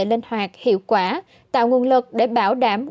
linh hoạt hiệu quả tạo nguồn lực để bảo đảm